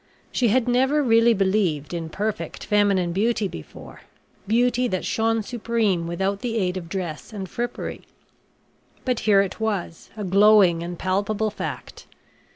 She had never really believed in perfect feminine beauty before beauty that shone supreme without the aid of dress and frippery but here it was a glowing and palpable fact.